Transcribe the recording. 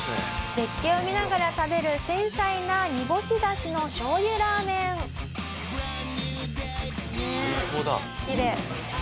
「絶景を見ながら食べる繊細な煮干し出汁の醤油ラーメン」「最高だ」「きれい」